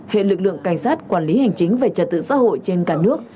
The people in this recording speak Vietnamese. hệ lực lượng cảnh sát quản lý hành chính về trật tự xã hội trên cả nước